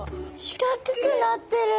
四角くなってる。